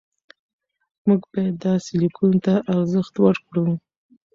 موږ باید داسې لیکنو ته ارزښت ورکړو.